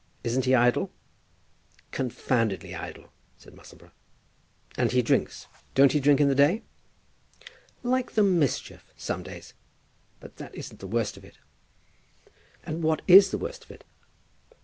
Isn't he idle?" "Confoundedly idle," said Musselboro. "And he drinks; don't he drink in the day?" "Like the mischief, some days. But that isn't the worst of it." "And what is the worst of it?"